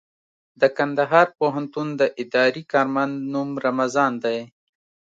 د کندهار پوهنتون د اداري کارمند نوم رمضان دئ.